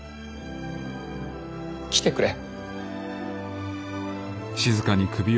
来てくれ。